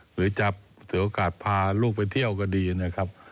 หรือจะเสียโอกาสพาลูกไปเที่ยวก็ดีนะครับ